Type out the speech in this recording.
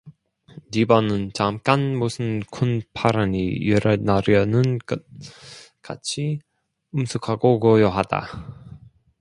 집안은 잠깐 무슨 큰 파란이 일어나려는 것 같이 엄숙하고 고요하다.